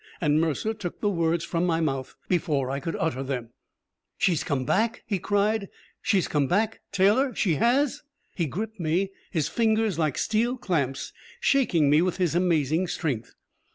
And Mercer took the words from my mouth before I could utter them. "She's come back!" he cried. "She's come back! Taylor she has?" He gripped me, his fingers like steel clamps, shaking me with his amazing strength.